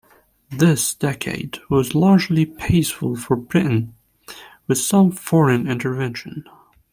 This decade was largely peaceful for Britain, with some foreign intervention.